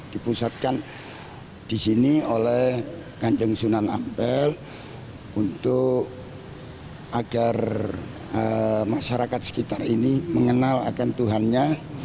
dipusatkan di sini oleh kanjeng sunan ampel untuk agar masyarakat sekitar ini mengenal akan tuhannya